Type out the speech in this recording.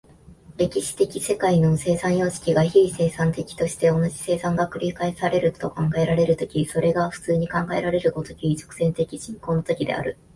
歴史的世界の生産様式が非生産的として、同じ生産が繰り返されると考えられる時、それが普通に考えられる如き直線的進行の時である。